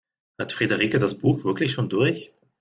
Hat Friederike das Buch wirklich schon durch?